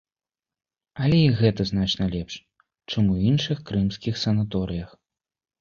Але і гэта значна лепш, чым у іншых крымскіх санаторыях.